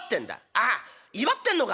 「ああ祝ってんのか。